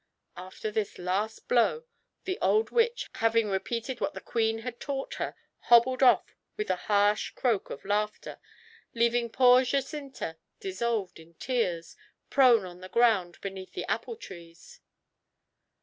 After this last blow, the old witch, having repeated what the queen had taught her, hobbled off, with a harsh croak of laughter, leaving poor Jacinta dissolved in tears, prone on the ground beneath the apple trees.